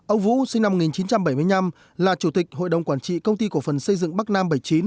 ông vũ sinh năm một nghìn chín trăm bảy mươi năm là chủ tịch hội đồng quản trị công ty cổ phần xây dựng bắc nam bảy mươi chín